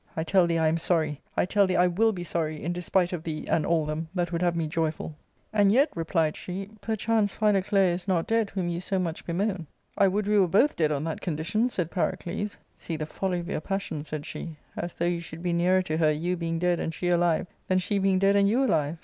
I tell thee I am sorry, I tell thee I will be sorry, in despite of thee and all them that would have me joyful." "And yet," replied she, "perchance Philoclea is not dead whom you so much bemoan." I would we were both dead on that condition," said Pyrocles. " See the folly of your passion," said she ;" as though you should be nearer to her, you being dead and she alive than she being dead and you alive.